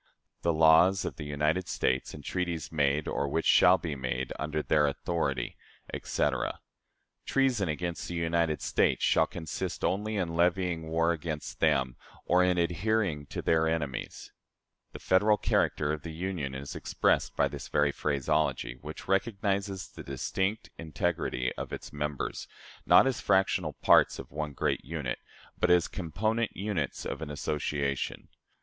" "The laws of the United States, and treaties made or which shall be made under their authority," etc. "Treason against the United States shall consist only in levying war against them, or in adhering to their enemies." The Federal character of the Union is expressed by this very phraseology, which recognizes the distinct integrity of its members, not as fractional parts of one great unit, but as component units of an association.